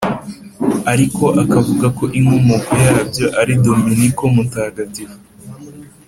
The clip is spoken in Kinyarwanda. ariko akavuga ko inkomoko yabyo ari dominiko mutagatifu